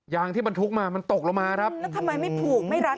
ยางที่บรรทุกมามันตกลงมาครับแล้วทำไมไม่ผูกไม่รัด